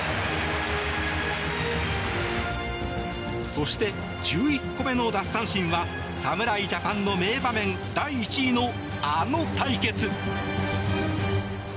そして、１１個目の奪三振は侍ジャパンの名場面、第１位のあの対決！